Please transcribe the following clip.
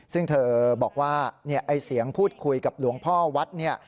ซึ่งเธอบอกว่าไอ้เสียงพูดคุยกับหลวงพ่อวัดเนี่ย